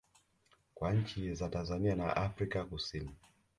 kwa nchi za Tanzania na Afrika kusini